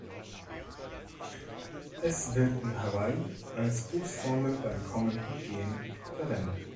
Es wird in Hawaiʻi als Grußformel beim Kommen und Gehen verwendet.